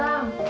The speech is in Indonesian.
aku mau pergi